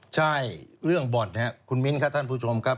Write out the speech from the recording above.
ใช่เรื่องบ่อนคุณมิ้นท์ค่ะท่านผู้ชมครับ